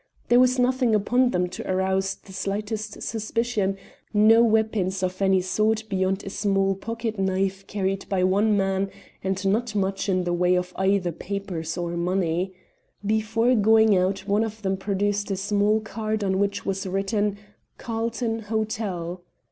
There was nothing upon them to arouse the slightest suspicion, no weapons of any sort beyond a small pocket knife carried by one man, and not much in the way of either papers or money. Before going out one of them produced a small card on which was written, 'Carlton Hotel.'